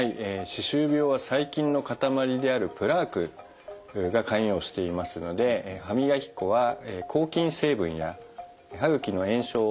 歯周病は細菌の塊であるプラークが関与していますので歯磨き粉は抗菌成分や歯ぐきの炎症を抑える成分が入ったものを選ぶといいです。